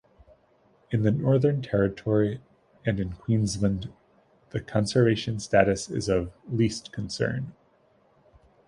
In the Northern Territory and in Queensland the conservation status is of "least concern".